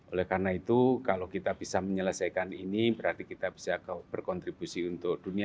oleh karena itu kalau kita bisa menyelesaikan ini berarti kita bisa berkontribusi untuk dunia